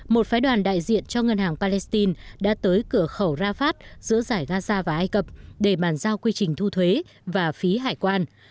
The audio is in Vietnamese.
một phái đoàn đại diện cho ngân hàng palestine đã tới cửa khẩu rafah giữa giải gaza và ai cập để bàn giao quy trình thu thuế và phí hải quan